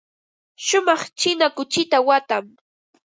Shumaq china kuchita watan.